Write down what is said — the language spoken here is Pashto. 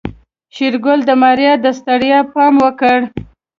شېرګل د ماريا د ستړيا پام وکړ.